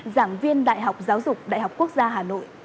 giảng viên đại học giáo dục đại học quốc gia hà nội